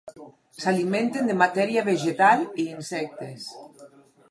S'alimenten de matèria vegetal i insectes.